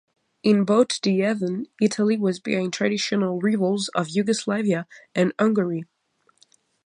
In both the events, Italy was behind traditional rivals of Yugoslavia and Hungary.